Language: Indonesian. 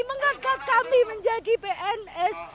mengangkat kami menjadi bns